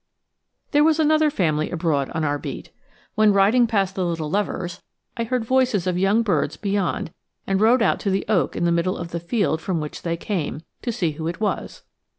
There was another family abroad on our beat. When riding past the little lover's, I heard voices of young birds beyond, and rode out to the oak in the middle of the field from which they came, to see who it was.